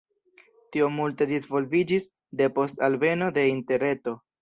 Tio multe disvolviĝis depost alveno de interreto.